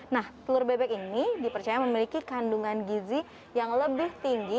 nah telur bebek ini dipercaya memiliki kandungan gizi yang lebih tinggi